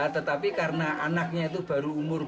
tetapi karena anaknya itu baru umur